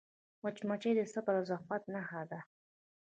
مچمچۍ د صبر او زحمت نښه ده